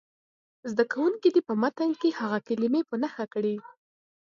زده کوونکي دې په متن کې هغه کلمې په نښه کړي.